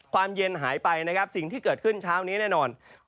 เย็นหายไปนะครับสิ่งที่เกิดขึ้นเช้านี้แน่นอน